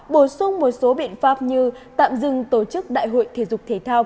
bổ sung một số biện pháp như tạm dừng tổ chức đại hội thể dục thể thao